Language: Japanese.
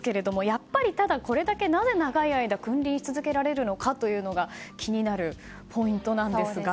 やっぱりただ、これだけなぜ長い間、君臨し続けられるのかが気になるポイントなんですが。